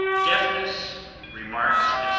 Deafness, Remarks, &c.